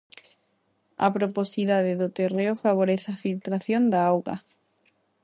A porosidade do terreo favorece a filtración da auga.